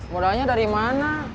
modalnya dari mana